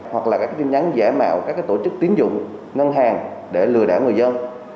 hoặc là các tin nhắn giả mạo các tổ chức tín dụng ngân hàng để lừa đảo người dân